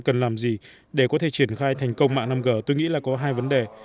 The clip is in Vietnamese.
cần làm gì để có thể triển khai thành công mạng năm g tôi nghĩ là có hai vấn đề